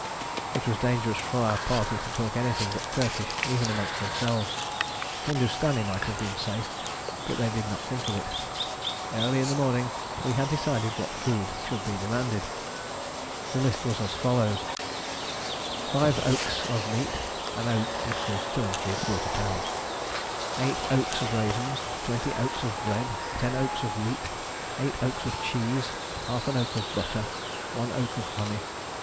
It was dangerous for our party to talk anything but Turkish, even amongst themselves. Hindustani might have been safe, but they did not think of it. Early in the morning we had decided what food should be demanded. The list was as follows: Five okes of meat (an oke equals 2¾ lbs.) Eight okes of raisins. Twenty " bread. Ten " wheat. Eight " cheese. Half an oke of butter. One " honey.